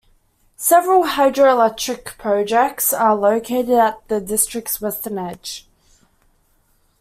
Several hydroelectric projects are located at the district's western edge.